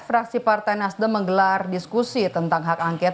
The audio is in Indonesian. fraksi partai nasdem menggelar diskusi tentang hak angket